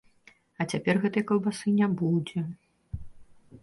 А цяпер гэтай каўбасы не будзе.